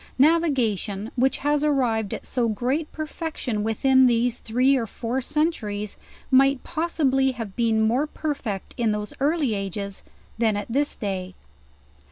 Navigation, which has arrived at so great perfection within these three or four centuries, might possibly have been more perfect in those early ages than at this day.